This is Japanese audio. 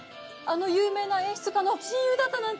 あの有名な演出家の親友だったなんて。